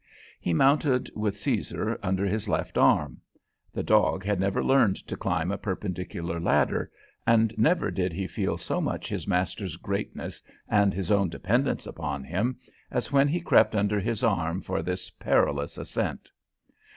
He mounted with Caesar under his left arm. The dog had never learned to climb a perpendicular ladder, and never did he feel so much his master's greatness and his own dependence upon him, as when he crept under his arm for this perilous ascent.